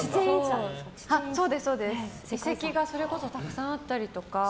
遺跡がそれこそたくさんあったりとか。